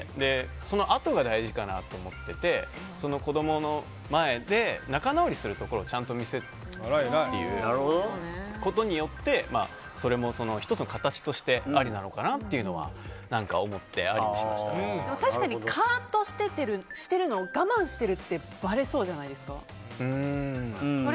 そのあとが大事かなと思ってて子供の前で仲直りするところをちゃんと見せることによってそれも１つの形としてありなのかなというのは思って確かにカーッとしてるのを我慢してるってばれそうじゃないですか。